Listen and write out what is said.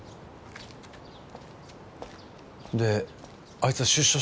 であいつは出所したのか？